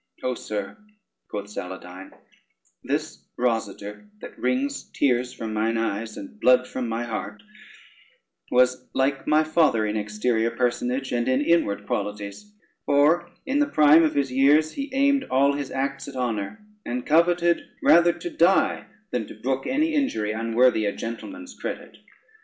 "O sir," quoth Saladyne, "this Rosader that wrings tears from mine eyes, and blood from my heart, was like my father in exterior personage and in inward qualities; for in the prime of his years he aimed all his acts at honor, and coveted rather to die than to brook any injury unworthy a gentleman's credit.